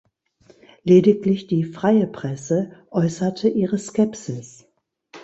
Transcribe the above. Lediglich die "Freie Presse" äußerte ihre Skepsis.